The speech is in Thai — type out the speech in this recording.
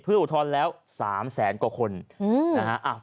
ปืนอุทรแล้วสามแสนกว่าคน